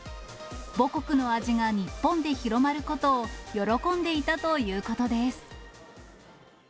母国の味が日本で広まることを喜んでいたということです。